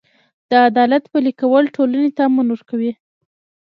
د عدالت پلي کول ټولنې ته امن ورکوي.